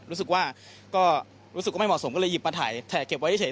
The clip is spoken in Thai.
รู้สึกว่าก็รู้สึกว่าไม่เหมาะสมก็เลยหยิบมาถ่ายเก็บไว้เฉย